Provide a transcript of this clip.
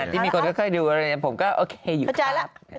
ที่มีคนก็ค่อยดูอะไรผมก็โอเคอยู่ครับ